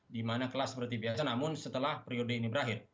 di mana kelas seperti biasa namun setelah periode ini berakhir